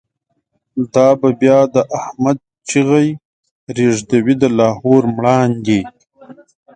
دا به بیا د« احمد» چیغی، ریږدوی د لاهور مړاندی